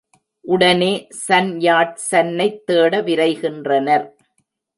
உடனே Sun Yat சன்னைத் தேட விரைகின்றனர்.